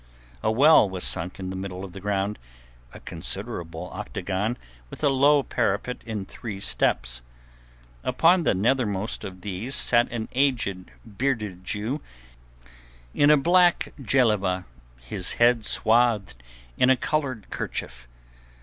A well was sunk in the middle of the ground, a considerable octagon with a low parapet in three steps. Upon the nethermost of these sat an aged, bearded Jew in a black djellaba, his head swathed in a coloured kerchief.